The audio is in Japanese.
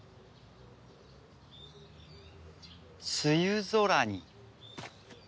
梅雨空に。